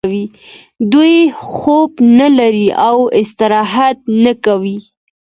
دوی خوب نلري او استراحت نه کوي